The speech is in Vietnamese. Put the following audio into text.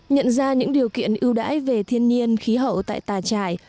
nhận ra những điều kiện ưu đãi về thiên nhiên khí hậu tại tà trải